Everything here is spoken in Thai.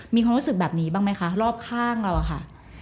มีความรู้สึกแบบนี้บ้างไหมคะรอบข้างเราอะค่ะ